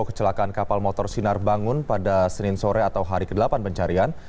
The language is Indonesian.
kecelakaan kapal motor sinar bangun pada senin sore atau hari ke delapan pencarian